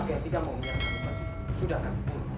sekarang pendukung dia udah banyak bang